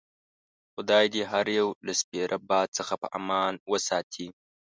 خدای دې هر یو له سپیره باد څخه په امان وساتي.